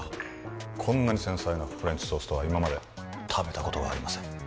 こんなに繊細なフレンチトーストは今まで食べたことがありません